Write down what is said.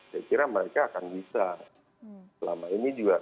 saya kira mereka akan bisa selama ini juga